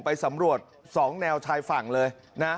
ไปสำรวจ๒แนวชายฝั่งเลยนะ